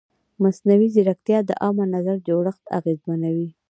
مصنوعي ځیرکتیا د عامه نظر جوړښت اغېزمنوي.